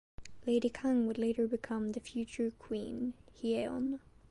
Lady Kang would later become the future Queen Hyeon.